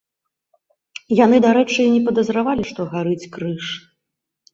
Яны, дарэчы, і не падазравалі, што гарыць крыж.